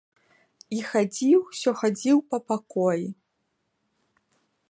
І хадзіў, усё хадзіў па пакоі.